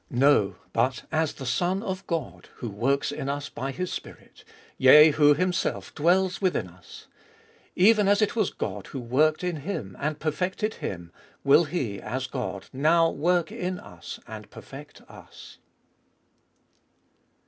No, but as the Son of God who works in us by His Spirit, yea who Himself dwells within us. Even as it was God who worked in Him and perfected Him, will He, as God, now work in us and perfect us.